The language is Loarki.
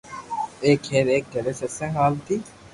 ايڪ ھير ايڪ گھري ستسينگ ھالتي